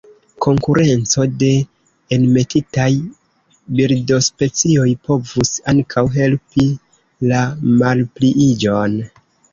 Konkurenco de enmetitaj birdospecioj povus ankaŭ helpi la malpliiĝon.